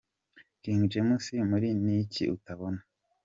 King James muri ’Ni iki utabona’